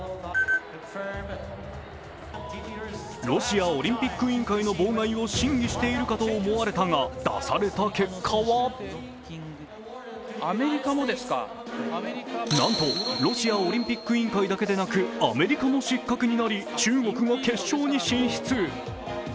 ロシアオリンピック委員会の妨害を審議しているかと思われたが出された結果は何とロシアオリンピック委員会だけでなくアメリカも失格となり中国が決勝に進出。